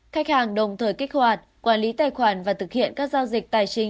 khách hàng đồng thời kích hoạt quản lý tài khoản và thực hiện các giao dịch tài chính